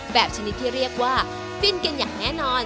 ชนิดที่เรียกว่าฟินกันอย่างแน่นอน